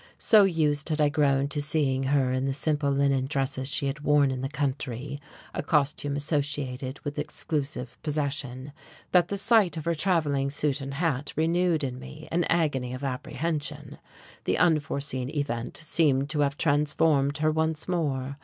So used had I grown to seeing her in the simple linen dresses she had worn in the country, a costume associated with exclusive possession, that the sight of her travelling suit and hat renewed in me an agony of apprehension. The unforeseen event seemed to have transformed her once more.